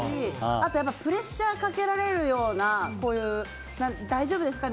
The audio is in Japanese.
あとプレッシャーかけられるような場面で大丈夫ですか？